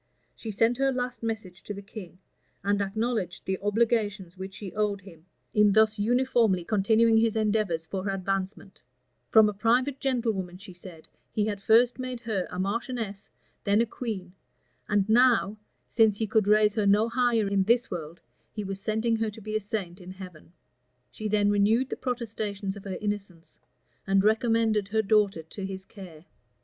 She sent her last message to the king, and acknowledged the obligations which she owed him, in thus uniformly continuing his endeavors for her advancement: from a private gentlewoman, she said, he had first made her a marchioness, then a queen, and now, since he could raise her no higher in this world, he was sending her to be a saint in heaven. She then renewed the protestations of her innocence, and recommended her daughter to his care.